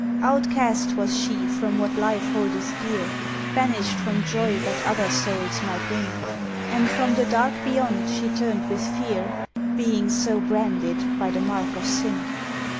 Outcast was she from what Life holdeth dear; Banished from joy that other souls might win; And from the dark beyond she turned with fear, Being so branded by the mark of sin.